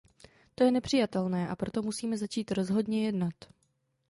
To je nepřijatelné, a proto musíme začít rozhodně jednat.